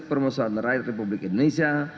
permusuhan rakyat republik indonesia